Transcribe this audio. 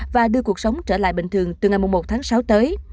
và đưa cuộc sống trở lại bình thường từ ngày một tháng sáu tới